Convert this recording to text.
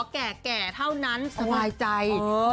แก่เท่านั้นสบายใจ